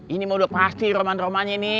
ini mau udah pasti roman romannya ini